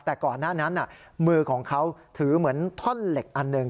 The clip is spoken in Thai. แต่ก่อนหน้านั้นมือของเขาถือเหมือนท่อนเหล็กอันหนึ่ง